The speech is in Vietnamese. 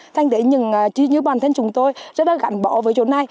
thành thế như bản thân chúng tôi rất là gắn bỏ với chỗ này